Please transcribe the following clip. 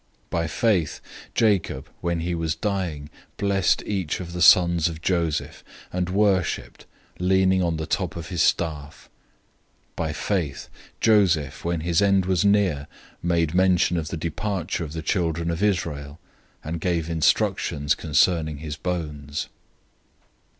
011:021 By faith, Jacob, when he was dying, blessed each of the sons of Joseph, and worshiped, leaning on the top of his staff. 011:022 By faith, Joseph, when his end was near, made mention of the departure of the children of Israel; and gave instructions concerning his bones.